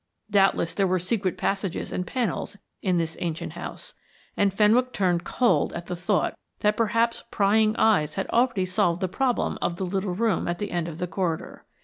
Doubtless there were secret passages and panels in this ancient house, and Fenwick turned cold at the thought that perhaps prying eyes had already solved the problem of the little room at the end of the corridor.